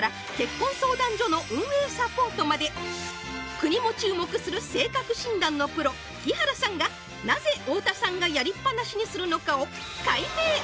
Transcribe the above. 国も注目する性格診断のプロ木原さんがなぜ太田さんがやりっ放しにするのかを解明